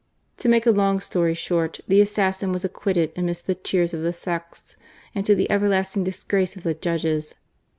To make a long story short, the assassin was acquitted amidst the cheers of the sects, and to die everlasting disgrace of the judges.